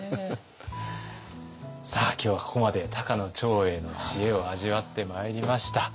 さあ今日はここまで高野長英の知恵を味わってまいりました。